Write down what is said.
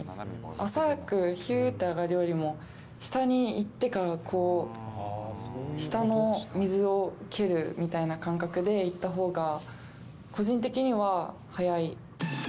浅く、ひゅーって上がるよりも、下に行ってからこう、下の水を蹴るみたいな感覚でいったほうが、個人的には速い。